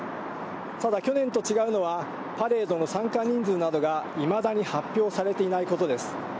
ただ去年と違うのは、パレードの参加人数などがいまだに発表されていないことです。